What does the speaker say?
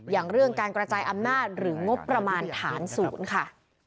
อย่างเรื่องการกระจายอำนาจหรืองบประมาณฐานศูนย์ค่ะ